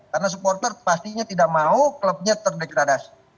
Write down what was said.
karena supporter pastinya tidak mau klubnya terdekadasi